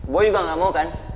boy juga nggak mau kan